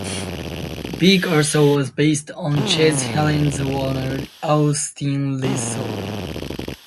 Big Arthur was based on Chez Helene's owner, Austin Leslie.